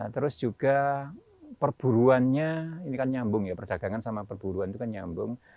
terus juga perburuannya ini kan nyambung ya perdagangan sama perburuan itu kan nyambung